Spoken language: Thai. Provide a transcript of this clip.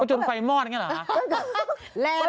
ก็จงไฟมอดเนี่ยเหรอ